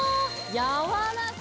やわらか！